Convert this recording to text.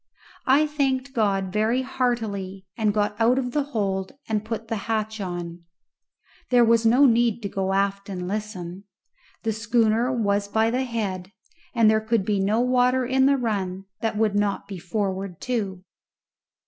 I thanked God very heartily, and got out of the hold and put the hatch on. There was no need to go aft and listen. The schooner was by the head, and there could be no water in the run that would not be forward too.